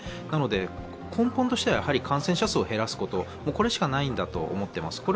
なので根本としてはやはり、感染者数を減らすことこれしかないんだと思っています。